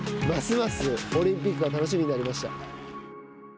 ますますオリンピックが楽しみになりました。